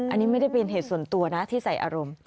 อันนี้ไม่ได้เป็นเหตุส่วนตัวนะที่ใส่อารมณ์